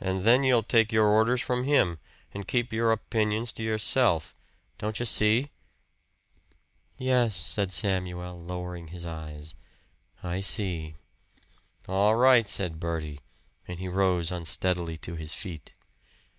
And then you'll take your orders from him, and keep your opinions to yourself. Don't you see?" "Yes," said Samuel, lowering his eyes "I see." "All right," said Bertie; and he rose unsteadily to his feet.